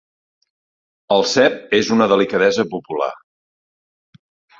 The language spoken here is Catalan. El cep és una delicadesa popular.